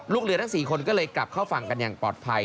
ลูกเรือทั้ง๔คนก็เลยกลับเข้าฝั่งกันอย่างปลอดภัย